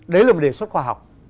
đấy là một đề xuất khoa học